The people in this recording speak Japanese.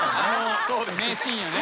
名シーンよね。